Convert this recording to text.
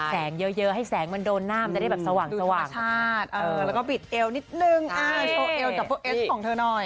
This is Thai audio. แสงเยอะให้แสงมันโดนหน้ามันจะได้แบบสว่างชาติแล้วก็บิดเอวนิดนึงโชว์เอลกับพวกเอสของเธอหน่อย